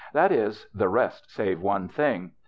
That is, the rest save one thing.